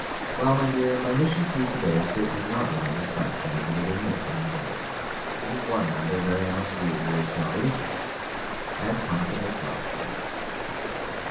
"Well, my dear, my mission to you to day is certainly not one of destruction, as you will admit when you hear it. It is one, rather, very absolutely of salvation. I have come to make love to you."